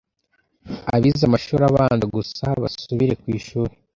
abize amashuri abanza gusa basubire kwishuri